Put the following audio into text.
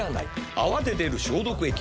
「泡で出る消毒液」は。